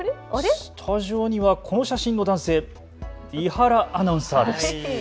スタジオにはこの写真の男性、伊原アナウンサーです。